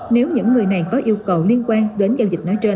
nếu những người này có yêu cầu liên quan đến giao dịch nói trên